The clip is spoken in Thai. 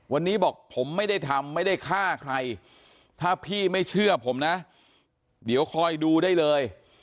วันนี้บอกผมไม่ได้ทำไม่ได้ฆ่าใครถ้าพี่ไม่เชื่อผมนะเดี๋ยวคอยดูได้เลย